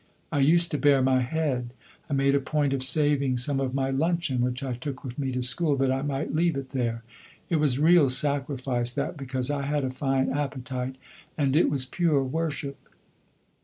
I used to bare my head; I made a point of saving some of my luncheon (which I took with me to school) that I might leave it there. It was real sacrifice that, because I had a fine appetite, and it was pure worship.